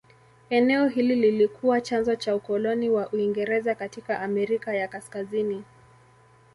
Eneo hili lilikuwa chanzo cha ukoloni wa Uingereza katika Amerika ya Kaskazini.